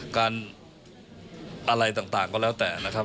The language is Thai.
อะไรต่างก็แล้วแต่นะครับ